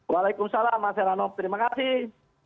waalaikumsalam pak seramop terima kasih